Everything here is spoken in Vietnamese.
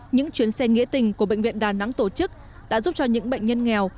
những chuyến xe nghĩa tình của bệnh viện đà nẵng tổ chức đã giúp cho những bệnh nhân nghèo